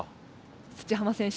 土濱選手。